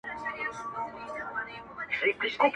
• چي ماشوم وم را ته مور کیسه کوله -